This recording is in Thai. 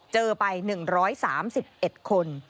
เจอไป๑๓๑คน